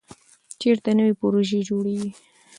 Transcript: چېرته نوې پروژې جوړېږي؟